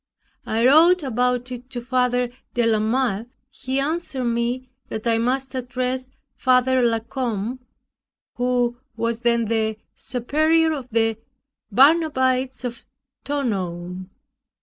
I wrote about it to Father de la Mothe. He answered me, that I must address Father La Combe, who was then the superior of the Barnabites of Tonon.